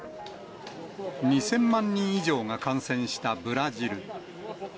２０００万人以上が感染したブラジル。